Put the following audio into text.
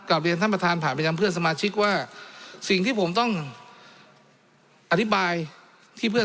เรียนท่านประธานผ่านไปยังเพื่อนสมาชิกว่าสิ่งที่ผมต้องอธิบายที่เพื่อน